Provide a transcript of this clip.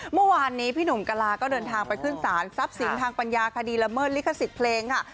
เมื่อวานนี้พี่หนุ่มกะลาก็เดินทางไปขึ้นสารทรัพย์สินทางปัญญาคดีละเมิดลิขสิทธิ์เพลงค่ะ